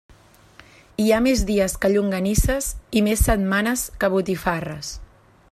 Hi ha més dies que llonganisses i més setmanes que botifarres.